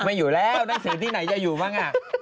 ไม่อยู่แล้วหนังสือที่ไหนจะอยู่บ้าง